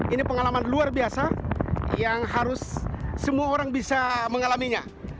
ini pengalaman luar biasa yang harus semua orang bisa mengalaminya